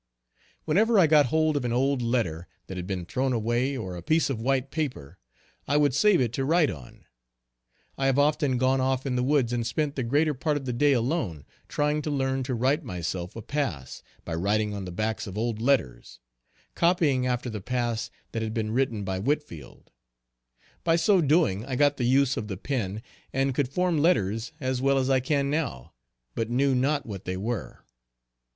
Whenever I got hold of an old letter that had been thrown away, or a piece of white paper, I would save it to write on. I have often gone off in the woods and spent the greater part of the day alone, trying to learn to write myself a pass, by writing on the backs of old letters; copying after the pass that had been written by Whitfield; by so doing I got the use of the pen and could form letters as well as I can now, but knew not what they were.